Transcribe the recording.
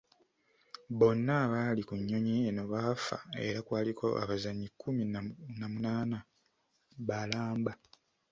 Bonna abaali ku nnyonyi eno baafa era kwaliko abazannyi kumi na munaana balamba.